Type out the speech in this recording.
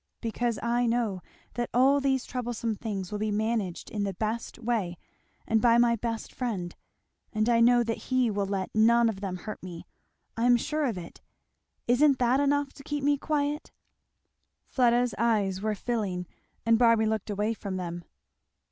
"Because I know that all these troublesome things will be managed in the best way and by my best friend, and I know that he will let none of them hurt me. I am sure of it isn't that enough to keep me quiet?" Fleda's eyes were filling and Barby looked away from them.